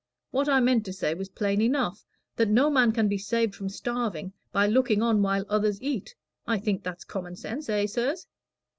What I meant to say was plain enough that no man can be saved from starving by looking on while others eat. I think that's common sense, eh, sirs?"